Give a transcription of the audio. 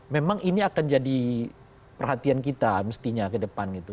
memang ini akan jadi perhatian kita mestinya ke depan gitu